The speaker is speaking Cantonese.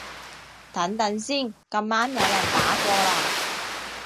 等等先，咁啱有人打過來